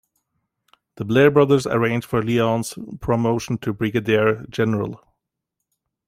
The Blair brothers arranged for Lyon's promotion to brigadier general.